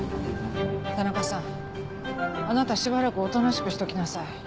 田中さんあなたしばらくおとなしくしときなさい。